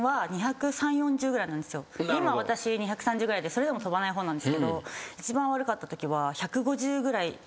今私２３０ぐらいでそれでも飛ばない方なんですけど一番悪かったときは。